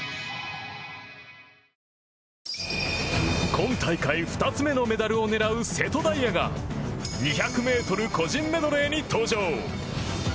今大会２つ目のメダルを狙う瀬戸大也が２００ｍ個人メドレーに登場！